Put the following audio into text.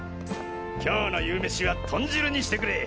今日の夕飯は豚汁にしてくれ！